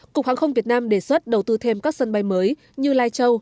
cục hàng không việt nam đề xuất đầu tư thêm các sân bay mới như lai châu